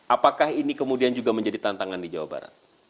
apakah ini kemudian juga menjadi tantangan di jawa barat